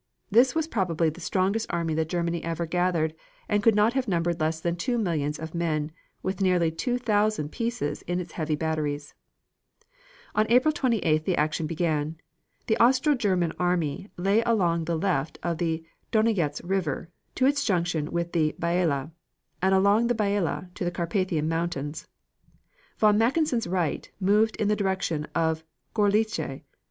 This was probably the strongest army that Germany ever gathered, and could not have numbered less than two millions of men, with nearly two thousand pieces in its heavy batteries. On April 28th, the action began. The Austro German army lay along the left of the Donajetz River to its junction with the Biala, and along the Biala to the Carpathian Mountains. Von Mackensen's right moved in the direction of Gorlice.